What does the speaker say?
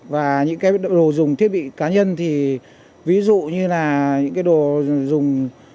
và những cái đồ dùng thiết bị cá nhân thì ví dụ như là những cái đồ dùng